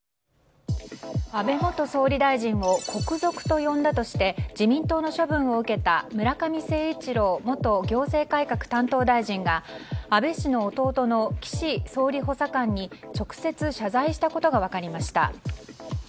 安倍元総理大臣を国賊と呼んだとして自民党の処分を受けた村上誠一郎元行政改革担当大臣が安倍氏の弟の岸総理補佐官に直接、謝罪したことが分かりました。